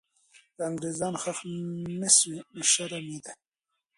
که انګریزان ښخ نه سوي، نو شرم یې دی.